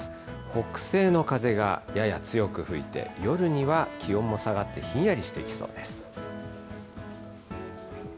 北西の風が、やや強く吹いて夜には気温も下がってひんやりしてきそうです。